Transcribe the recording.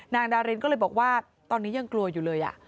นางดารินก็เลยบอกว่าตอนนี้ยังกลัวอยู่เลย